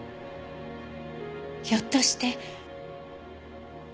ひょっとして。